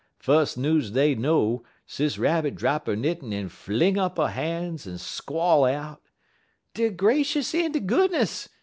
Fus' news dey know Sis Rabbit drap 'er knittin' en fling up 'er han's en squall out: "'De gracious en de goodness!